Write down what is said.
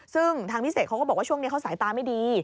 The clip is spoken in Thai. ซึ่งทางพิเศษเขาก็บอกว่าช่วงนี้เขาสายตาไม่ดี